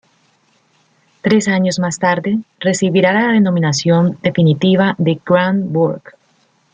Tres años más tarde recibiría la denominación definitiva de Grand Bourg.